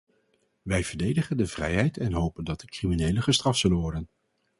Wij verdedigen de vrijheid en hopen dat de criminelen gestraft zullen worden.